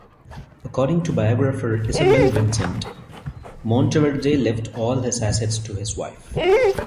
According to biographer Isabel Vincent, Monteverde left all his assets to his wife.